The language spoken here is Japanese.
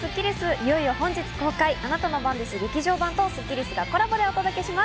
いよいよ本日公開『あなたの番です劇場版』とスッキりすがコラボでお届けします。